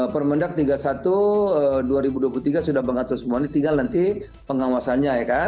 permendak tiga puluh satu dua ribu dua puluh tiga sudah mengatur semua ini tinggal nanti pengawasannya ya kan